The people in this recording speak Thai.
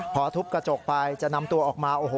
พอทุบกระจกไปจะนำตัวออกมาโอ้โห